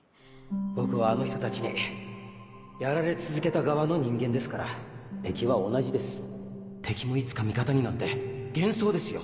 僕はあの人たちにやられ続敵は同じです敵もいつか味方になんて幻想ですよ